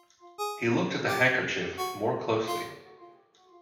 He looked at the handkerchief more closely